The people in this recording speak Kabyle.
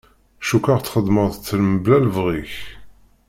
Cukkeɣ txedmeḍ-t mebla lebɣi-k.